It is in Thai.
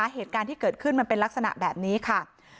เหตุการณ์ที่เกิดขึ้นมันเป็นลักษณะแบบนี้ค่ะ